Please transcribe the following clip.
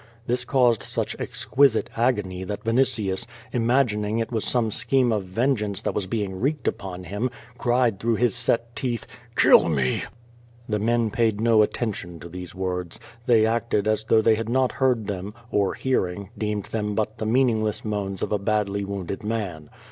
This caused such exquisite agony that Vinitius, imagining it was some scheme of vengeance that was being wreaked upon him, cried through his set teeth: "Kill me!'' The men paid no attention to these words. They acted as though they had not heard them, or hearing, deemed them but the meaningless moans of a badly wounded man.